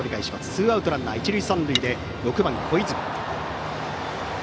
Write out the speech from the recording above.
ツーアウトランナー、一塁三塁で６番、小泉。